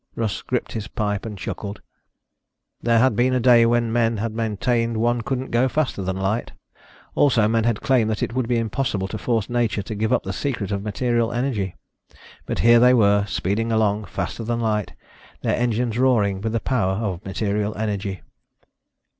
Russ gripped his pipe and chuckled. There had been a day when men had maintained one couldn't go faster than light. Also, men had claimed that it would be impossible to force nature to give up the secret of material energy. But here they were, speeding along faster than light, their engines roaring with the power of material energy.